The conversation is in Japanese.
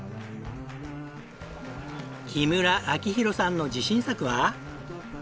木村彰宏さんの自信作は。